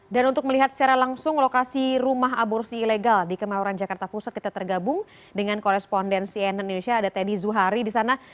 dan untuk melihat secara langsung lokasi rumah aborsi ilegal di kemayoran jakarta pusat kita tergabung dengan korespondensi nn indonesia ada teddy zuhari di sana